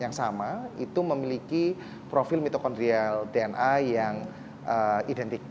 yang sama itu memiliki profil mitokondrial dna yang identik